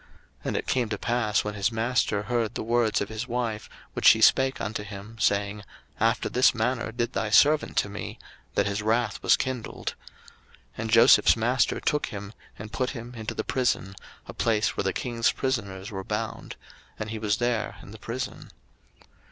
01:039:019 And it came to pass, when his master heard the words of his wife, which she spake unto him, saying, After this manner did thy servant to me; that his wrath was kindled. 01:039:020 And Joseph's master took him, and put him into the prison, a place where the king's prisoners were bound: and he was there in the prison.